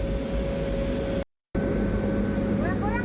ini pertama kali naik pesawat terputing